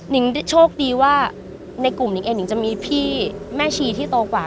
ิงโชคดีว่าในกลุ่มนิงเองนิงจะมีพี่แม่ชีที่โตกว่า